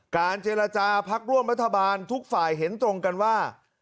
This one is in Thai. เจรจาพักร่วมรัฐบาลทุกฝ่ายเห็นตรงกันว่า